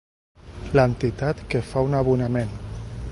L'entitat que fa un abonament.